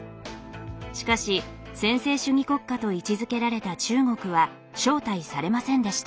しかし専制主義国家と位置づけられた中国は招待されませんでした。